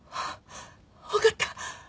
わかった。